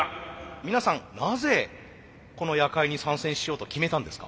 皆さんなぜこの夜会に参戦しようと決めたんですか？